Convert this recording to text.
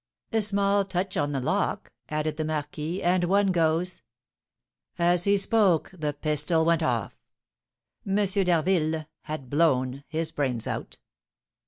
"A small touch on the lock," added the marquis, "and one goes " As he spoke the pistol went off. M. d'Harville had blown his brains out.